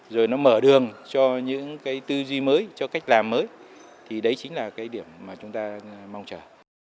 rồi nó mở đường cho những cái tư duy mới cho cách làm mới thì đấy chính là cái điểm mà chúng ta mong chờ